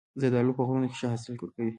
زردالو په غرونو کې ښه حاصل ورکوي.